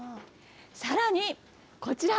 さらに、こちら。